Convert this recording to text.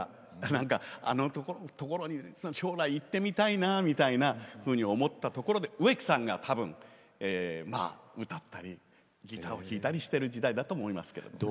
何かあのところに将来行ってみたいなみたいなふうに思ったところで植木さんがたぶんまあ歌ったりギターを弾いたりしてる時代だと思いますけれども。